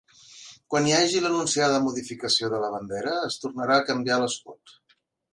Quan hi hagi l'anunciada modificació de la bandera es tornarà a canviar l'escut.